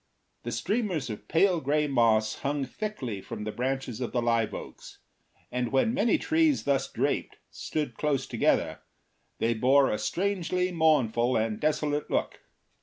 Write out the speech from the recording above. The streamers of pale gray moss hung thickly from the branches of the live oaks, and when many trees thus draped stood close together they bore a strangely mournful and desolate look.